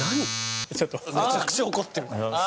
めちゃくちゃ怒ってる。